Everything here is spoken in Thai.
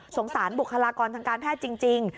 สารบุคลากรทางการแพทย์จริง